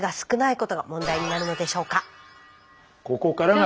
ここからが。